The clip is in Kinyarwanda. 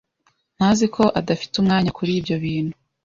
Ntazi ko adafite umwanya kuribyo bintu.